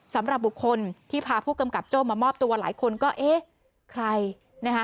สำหรับบุคคลที่พาผู้กำกับโจ้มามอบตัวหลายคนก็เอ๊ะใครนะคะ